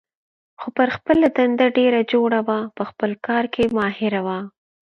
خو پر خپله دنده ډېره جوړه وه، په خپل کار کې ماهره وه.